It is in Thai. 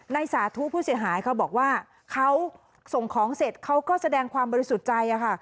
สาธุผู้เสียหายเขาบอกว่าเขาส่งของเสร็จเขาก็แสดงความบริสุทธิ์ใจค่ะ